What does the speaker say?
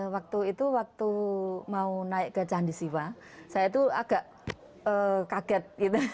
waktu itu waktu mau naik ke candi siwa saya itu agak kaget gitu